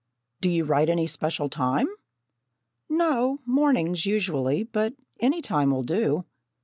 "Do you write any special time?" "No, mornings, usually; but any time will do."